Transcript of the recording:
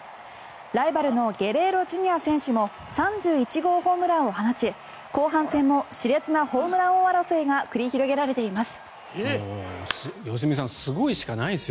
ライバルのゲレーロＪｒ．も３１号ホームランを放ち後半戦も熾烈なホームラン王争いが繰り広げられています。